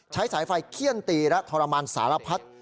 สายไฟเขี้ยนตีและทรมานสารพัด